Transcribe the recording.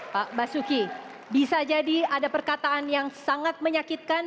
pak basuki bisa jadi ada perkataan yang sangat menyakitkan